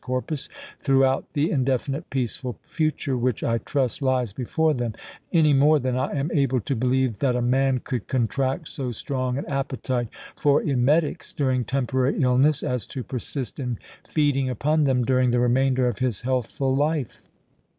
corpus, throughout the indefinite peaceful future, which I trust lies before them, any more than I am able to believe that a man could contract so strong an appetite for emetics, during temporary illness, as to persist in feeding upon them during the remainder of his healthful life.